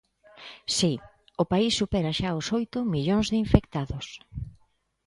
Si, o país supera xa os oito millóns de infectados.